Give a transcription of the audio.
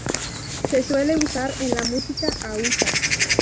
Se suele usar en la música hausa.